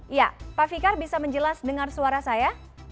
iya pak fikar bisa menjelas dengar suara saya